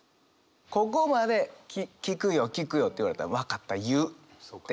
ここまで「聞くよ聞くよ」って言われたら分かった言うって。